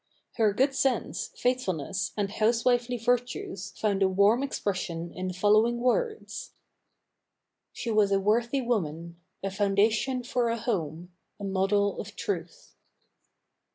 Her good sense, faithfulness, and housewifely virtues found a warm expression in the following words: "She was a worthy woman, A foundation for a home, a model of truth."